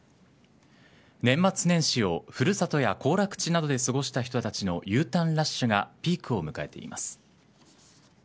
年末年始を、古里や行楽地などで過ごした人たちのＵターンラッシュがピークを迎えています。